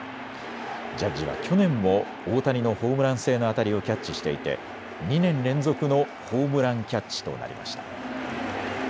ジャッジは去年も大谷のホームラン性の当たりをキャッチしていて２年連続のホームランキャッチとなりました。